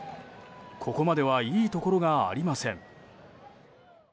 ここまではいいところがありません。